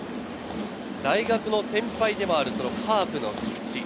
大学の先輩でもあるカープの菊池。